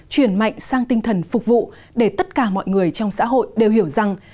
chuyển mạnh sang tinh thần phục vụ để tất cả mọi người trong xã hội đều hiểu rằng